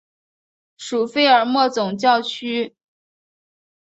属费尔莫总教区。